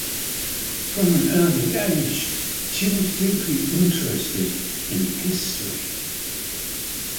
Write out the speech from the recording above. From an early age, she was deeply interested in history.